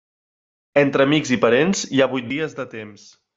Entre amics i parents, hi ha vuit dies de temps.